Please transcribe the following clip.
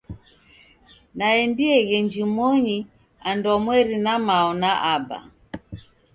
Naendieghe njumonyi andwamweri na mao na aba.